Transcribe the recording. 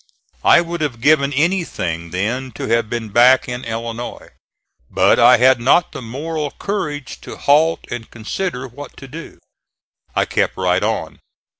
I would have given anything then to have been back in Illinois, but I had not the moral courage to halt and consider what to do; I kept right on.